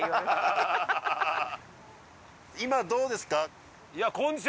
今今どうですか？